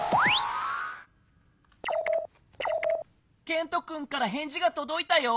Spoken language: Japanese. ケントくんからへんじがとどいたよ。